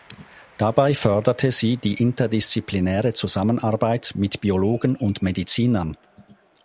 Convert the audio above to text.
Dabei förderte sie die interdisziplinäre Zusammenarbeit mit Biologen und Medizinern.